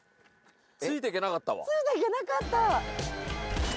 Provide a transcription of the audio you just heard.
ついて行けなかった。